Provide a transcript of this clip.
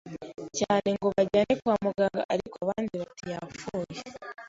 cyane ngo banjyane kwa muganga ariko abandi bati yapfuye